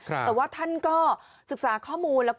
แต่ว่าท่านก็ศึกษาข้อมูล